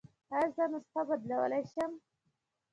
ایا زه نسخه بدلولی شم؟